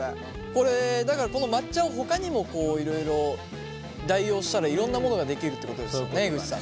これだからこの抹茶をほかにもいろいろ代用したらいろんなものができるってことですよね江口さん。